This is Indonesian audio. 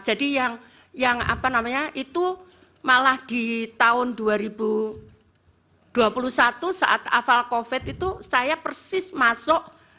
jadi yang apa namanya itu malah di tahun dua ribu dua puluh satu saat afal covid itu saya persis masuk